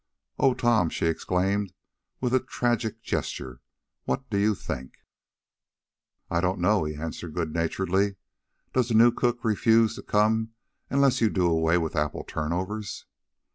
"Oh, Tom!" she exclaimed, with a little tragic gesture, "what do you think?" "I don't know," he answered good naturedly. "Does the new cook refuse to come unless you do away with apple turnovers?"